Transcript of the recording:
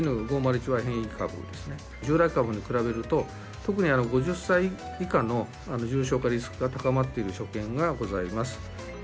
Ｙ変異株ですね、従来株に比べると、特に５０歳以下の重症化リスクが高まっている所見がございます。